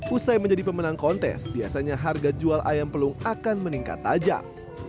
usai menjadi pemenang kontes biasanya harga jual ayam pelung akan meningkat tajam